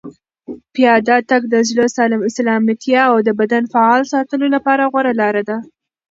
پیاده تګ د زړه سلامتیا او د بدن فعال ساتلو لپاره غوره لاره ده.